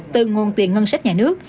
từ nguồn tiền ngân sách nhà nước